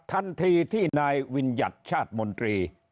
ทันทีที่นายวิญญัติชาติมนตรี